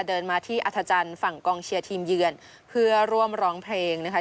เดินมาที่อัธจันทร์ฝั่งกองเชียร์ทีมเยือนเพื่อร่วมร้องเพลงนะคะ